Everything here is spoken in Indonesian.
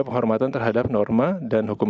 penghormatan terhadap norma dan hukum